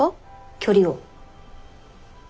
距離を。